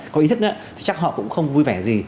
có ý thức nữa thì chắc họ cũng không vui vẻ gì